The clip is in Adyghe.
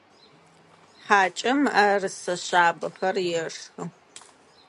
Хьакӏэм мыӏэрысэ шъабэхэр ешхы.